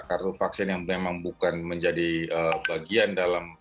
kartu vaksin yang memang bukan menjadi bagian dalam penanggulangan pandemi ya artinya itu itu itu adalah